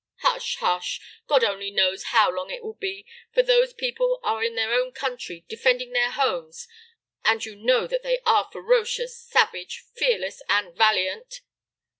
"Hush, hush! God only knows how long it might be, for those people are in their own country, defending their homes, and you know that they are ferocious, savage, fearless, and valiant."